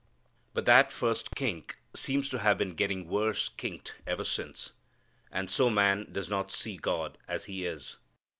But that first kink seems to have been getting worse kinked ever since. And so man does not see God as He is.